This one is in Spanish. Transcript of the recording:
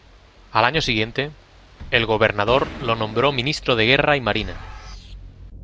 Al año siguiente, el gobernador lo nombró Ministro de Guerra y Marina.